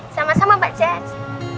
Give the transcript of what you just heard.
sama sama mbak jess